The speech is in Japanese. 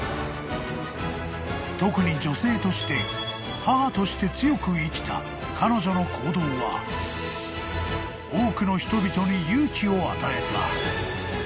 ［特に女性として母として強く生きた彼女の行動は多くの人々に勇気を与えた］